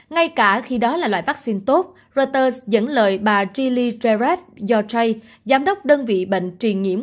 ngay cả khi đó là loại vaccine tốt reuters dẫn lời bà jilly jaref yotray giám đốc đơn vị bệnh truyền nhiễm